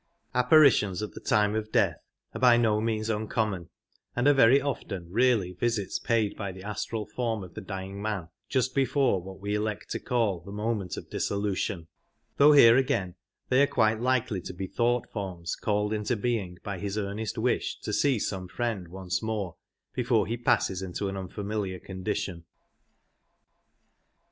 Apparitions at the time of death are by no means un common, and are very often really visits paid by the astral form of the dying man just before Apparitions what we elect to call the moment of dissolution ; Dying, though here again they are quite likely to be thought forms called into being by his earnest wish to see some friend once more before he passes into an unfamiliar condition.